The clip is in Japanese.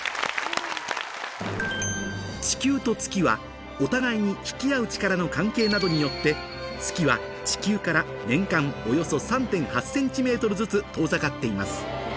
地球と月はお互いに引き合う力の関係などによって月は地球から年間およそ３．８ｃｍずつ遠ざかっています